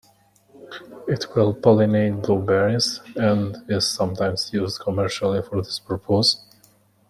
It will pollinate blueberries, and is sometimes used commercially for this purpose.